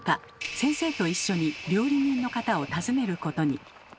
先生と一緒に料理人の方を訪ねることに。